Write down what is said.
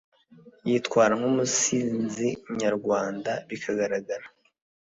yitwara nk'umusinzi nyarwanda bikagaragara